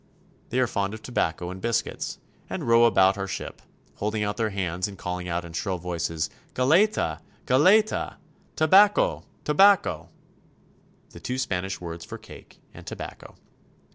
They are fond of tobacco and biscuits, and row about our ship, holding out their hands and calling out in shrill voices, ''Galleta! Galleta! "" Tabaco ! Tabaco !" the two Spanish words for cake and tobacco.